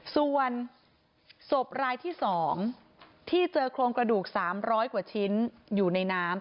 ส่วนศพรายที่๒ที่เจอโครงกระดูก๓๐๐กว่าชิ้นอยู่ในน้ำ